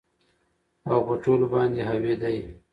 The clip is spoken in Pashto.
او په ټولو باندي حاوي دى